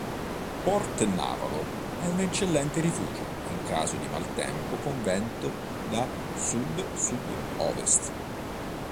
Port-Navalo è un eccellente rifugio in caso di maltempo con vento da sud-sud- ovest.